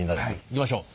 いきましょう。